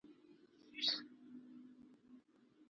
اوړه د ماشوم خندا خوند لري